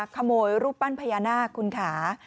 ขโมยรูปปั้นพญานาคคุณค้า